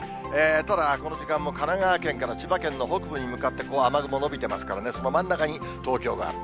ただこの時間も神奈川県から千葉県の北部に向かって雨雲延びてますからね、その真ん中に東京がある。